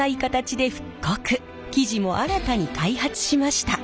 生地も新たに開発しました。